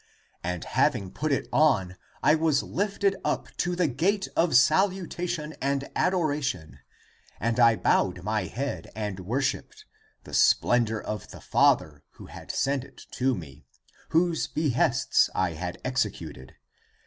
And having put it on, I was lifted up To the gate of salutation and adoration And I bowed my head and worshiped The splendor of the Father, who had sent it to me Whose behests I had executed.